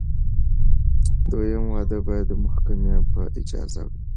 دویم واده باید د محکمې په اجازه وي.